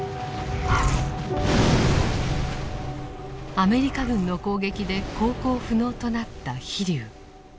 アメリカ軍の攻撃で航行不能となった「飛龍」。